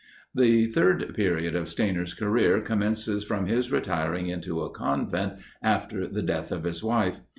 The third period of Stainer's career commences from his retiring into a convent after the death of his wife.